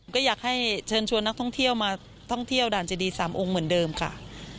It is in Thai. ก็อยากให้เชิญชวนนักท่องเที่ยวมาท่องเที่ยวด่านเจดี๓องค์เหมือนเดิมค่ะ